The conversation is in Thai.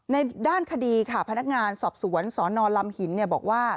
ด้านคดีค่ะพนักงานสอบสวนสนลำหินบอกว่า